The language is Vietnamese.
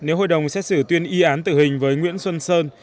nếu hội đồng xét xử tuyên y án tử hình với nguyễn xuân sơn